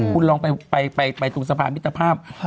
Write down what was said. คุณลองไปตรงสะพานมิตรภาพ